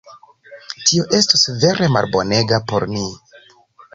Tio estus vere malbonega por ni.